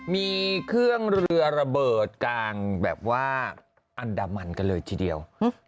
มีเครื่องเรือระเบิดกลางแบบว่าอันดามันกันเลยทีเดียว